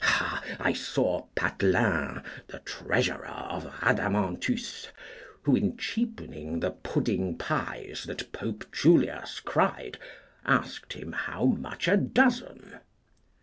I saw Pathelin, the treasurer of Rhadamanthus, who, in cheapening the pudding pies that Pope Julius cried, asked him how much a dozen.